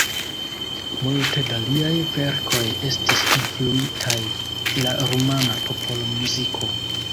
Multe da liaj verkoj estis influitaj de la rumana popolmuziko.